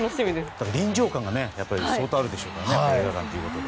臨場感が相当あるでしょうからね映画館ということで。